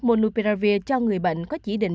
monopiravir cho người bệnh có chỉ định